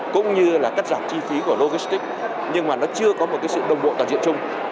cũng như là cắt giảm chi phí của logistics nhưng mà nó chưa có một sự đồng bộ toàn diện chung